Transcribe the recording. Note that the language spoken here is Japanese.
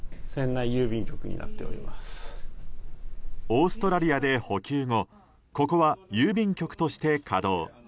オーストラリアで補給後ここは郵便局として稼働。